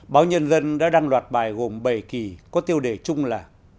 báo nhân dân đã đăng loạt bài gồm bảy kỳ có tiêu đề chung là